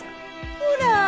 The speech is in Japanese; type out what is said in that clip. ほら。